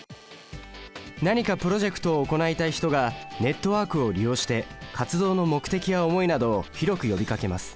何かプロジェクトを行いたい人がネットワークを利用して活動の目的や思いなどを広く呼びかけます。